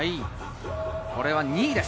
これは２位です。